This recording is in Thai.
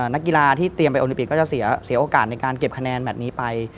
นักกีฬาที่เตรียมไปโอลิปิกก็จะเสียโอกาสในการเก็บคะแนนแมทนี้ไป